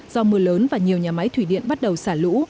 do mưa lớn và nhiều nhà máy thủy điện bắt đầu xả lũ